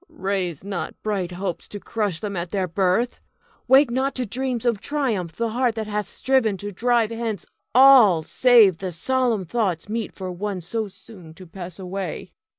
Cleon. Raise not bright hopes to crush them at their birth; wake not to dreams of triumph the heart that hath striven to drive hence all save the solemn thoughts meet for one so soon to pass away.